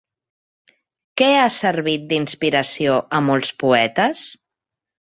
Què ha servit d'inspiració a molts poetes?